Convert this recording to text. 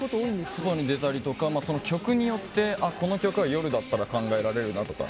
外に出たりとか曲によって、この曲は夜だったら考えられるなとか